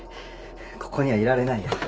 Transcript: ここにはいられないよ。